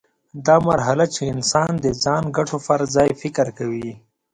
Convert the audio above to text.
دا مرحله چې انسان د ځان ګټو پر ځای فکر کوي.